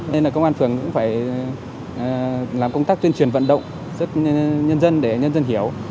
nên là công an phường cũng phải làm công tác tuyên truyền vận động rất nhân dân để nhân dân hiểu